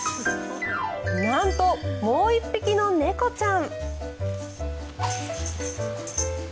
なんともう１匹の猫ちゃん。